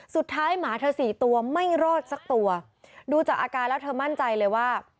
หมาเธอสี่ตัวไม่รอดสักตัวดูจากอาการแล้วเธอมั่นใจเลยว่า